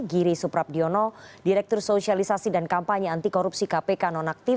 giri suprabdiono direktur sosialisasi dan kampanye anti korupsi kpk nonaktif